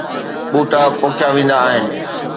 ٻوٽا پوکيا ويندا آهن